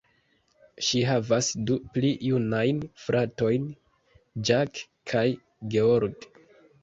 Ŝi havas du pli junajn fratojn, Jack kaj George.